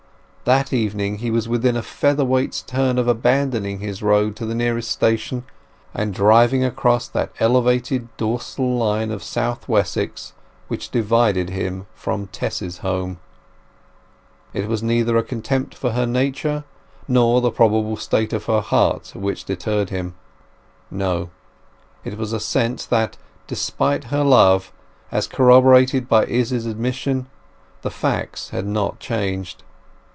That evening he was within a feather weight's turn of abandoning his road to the nearest station, and driving across that elevated dorsal line of South Wessex which divided him from his Tess's home. It was neither a contempt for her nature, nor the probable state of her heart, which deterred him. No; it was a sense that, despite her love, as corroborated by Izz's admission, the facts had not changed.